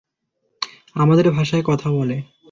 আমাদের ভাষায় কথা বলে।